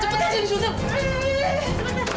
cepat tidak ada suara apa